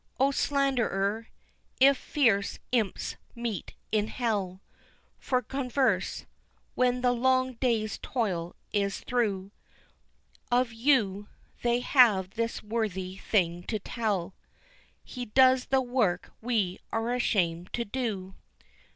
O slanderer, if fierce imps meet in hell For converse, when the long day's toil is through, Of you they have this worthy thing to tell, _He does the work we are ashamed to do!